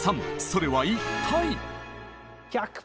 それは一体？